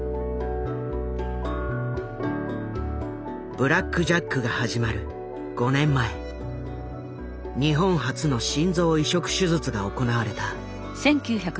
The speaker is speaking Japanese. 「ブラック・ジャック」が始まる５年前日本初の心臓移植手術が行われた。